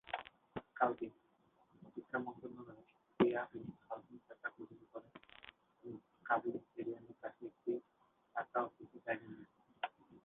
Scouting, শিক্ষা মন্ত্রণালয়ের ক্রীড়া ও স্কাউটিং শাখার অধীনে পড়ে এবং কাবুল স্টেডিয়ামের কাছে একটি শাখা-অফিসে জায়গা নিয়েছে।